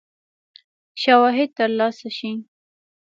شواهد تر لاسه شي.